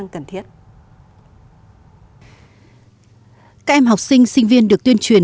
các em học sinh sinh viên được tuyên truyền